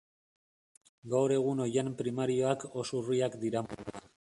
Gaur egun oihan primarioak oso urriak dira munduan.